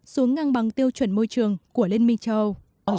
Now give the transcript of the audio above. xuống ngang bằng tiêu chuẩn môi trường của liên minh châu âu